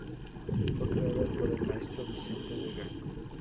Fue creada por el maestro Vicente Vega.